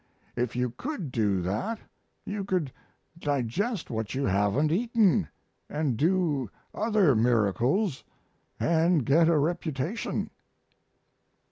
If you could do that you could digest what you haven't eaten, and do other miracles and get a reputation."